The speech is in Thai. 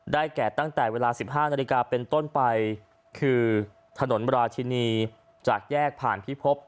แก่ตั้งแต่เวลา๑๕นาฬิกาเป็นต้นไปคือถนนราชินีจากแยกผ่านพิภพ